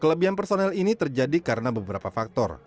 kelebihan personel ini terjadi karena beberapa faktor